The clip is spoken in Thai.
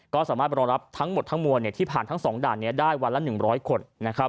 ก็สามารถรอรับทั้งหมดทั้งมวลที่ผ่านทั้ง๒ด่านนี้ได้วันละ๑๐๐คน